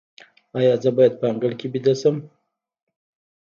ایا زه باید په انګړ کې ویده شم؟